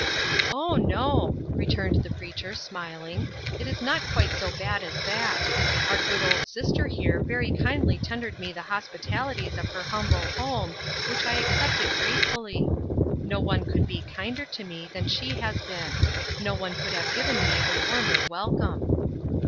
"Oh, no," returned the preacher, smiling; "it is not quite so bad as that. Our good old sister here very kindly tendered me the hospitalities of her humble home, which I accepted gratefully. No one could be kinder to me than she has been no one could have given me a warmer welcome."